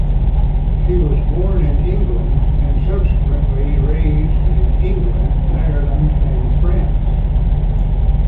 She was born in England and subsequently raised in England, Ireland and France.